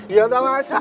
iya toh mas